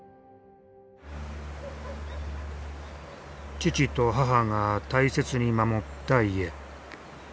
父と母が大切に守った家。